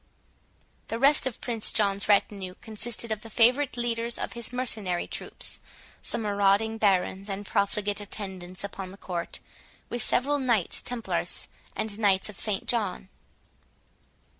The rest of Prince John's retinue consisted of the favourite leaders of his mercenary troops, some marauding barons and profligate attendants upon the court, with several Knights Templars and Knights of St John.